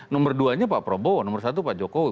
nomor duanya pak prabowo nomor satu pak jokowi